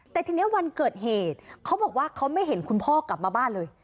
แต่ทีนี้วันเกิดเหตุเขาบอกว่าเขาไม่เห็นคุณพ่อกลับมาบ้านเลย